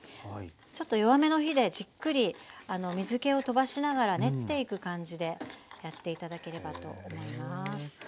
ちょっと弱めの火でじっくり水けを飛ばしながら練っていく感じでやって頂ければと思います。